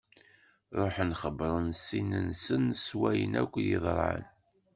Ṛuḥen xebbṛen ssid-nsen s wayen akk yeḍran.